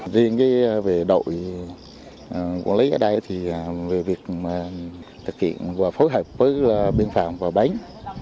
riêng cái về đội quản lý ở đây thì về việc thực hiện và phối hợp với biên phạm và bệnh